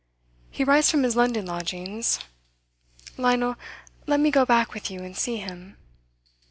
He writes from his London lodgings. Lionel, let me go back with you, and see him.